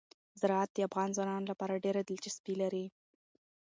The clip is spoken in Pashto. زراعت د افغان ځوانانو لپاره ډېره دلچسپي لري.